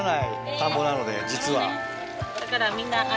田んぼなので実は。